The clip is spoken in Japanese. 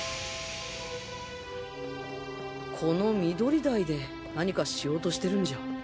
この緑台で何かしようとしてるんじゃ。